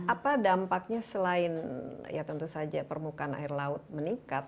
apa dampaknya selain ya tentu saja permukaan air laut meningkat